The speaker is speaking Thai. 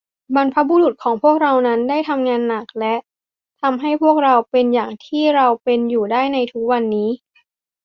บรรพบุรุษของพวกเรานั้น ได้ทำงานหนัก และ ทำให้พวกเราเป็นอย่างที่เราเป็นอยู่ได้ในทุกวันนี้